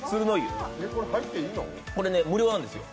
これ無料なんですよ。